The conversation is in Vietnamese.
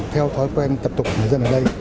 theo khói quen tập tục của người dân ở đây